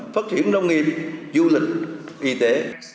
phát triển nông nghiệp du lịch y tế